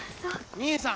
・兄さん！